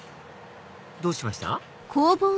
どうしました？